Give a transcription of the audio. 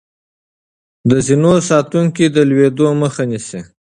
د زينو ساتونکي د لوېدو مخه نيسي.